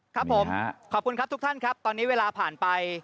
ครับผมขอบคุณครับทุกท่านครับตอนนี้เวลาผ่านไป